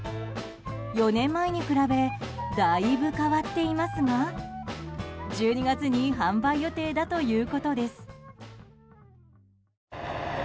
４年前に比べだいぶ変わっていますが１２月に販売予定だということです。